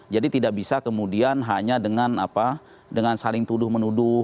jadi tidak bisa kemudian hanya dengan saling tuduh menuduh